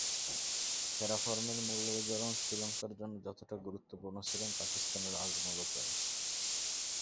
সেরা ফর্মের মুরালিধরন শ্রীলঙ্কার জন্য যতটা গুরুত্বপূর্ণ ছিলেন, পাকিস্তানের জন্য আজমলও তা-ই।